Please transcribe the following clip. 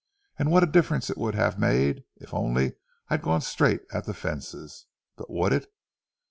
And what a difference it would have made ... if only I'd gone straight at the fences. But would it?...